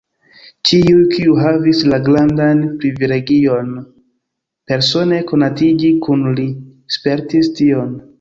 Ĉiuj, kiuj havis la grandan privilegion persone konatiĝi kun li, spertis tion.